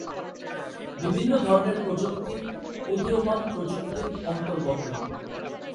বিভিন্ন ধরনের প্রযুক্তি উদীয়মান প্রযুক্তির অন্তর্গত।